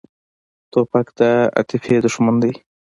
توپک د عاطفې دښمن دی.